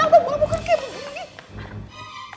tampak buahmu kan kayak begini